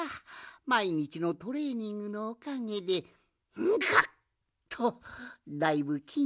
まいにちのトレーニングのおかげでガッとだいぶきんにくがついてきたわい。